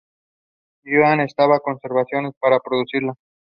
He was also executive committee member of the Theatre group.